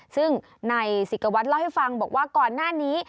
ซึ่งนายศิกวัตรเล่าให้ฟังบอกว่าก่อนหน้านี้